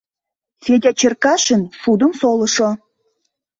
Федя Черкашин — шудым солышо!